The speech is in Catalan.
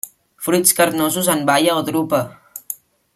Fruits carnosos en baia o drupa.